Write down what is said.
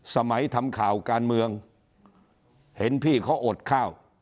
สมัยทำข่าวการเมืองเห็นพี่เขาอดข้าว